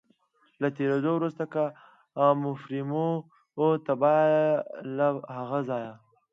له تېرېدو وروسته کاموفورمیو ته، بیا له هغه ځایه.